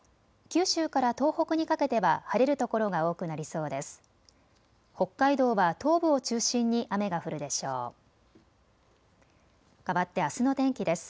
九州から東北にかけては晴れる所が多くなりそうです。